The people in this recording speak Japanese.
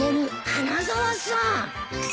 花沢さん。